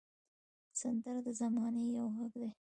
سندره د زمانې یو غږ دی